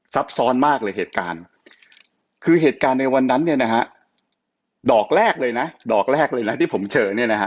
ซับซ้อนมากเลยเหตุการณ์คือเหตุการณ์ในวันนั้นเนี่ยนะฮะดอกแรกเลยนะดอกแรกเลยนะที่ผมเจอเนี่ยนะฮะ